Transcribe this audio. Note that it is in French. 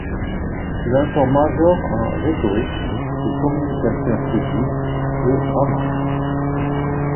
Il en sort major en Rhetoric et Communication Studies et Drama.